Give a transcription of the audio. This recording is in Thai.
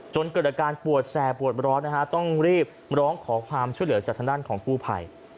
เกิดอาการปวดแสบปวดร้อนนะฮะต้องรีบร้องขอความช่วยเหลือจากทางด้านของกู้ภัย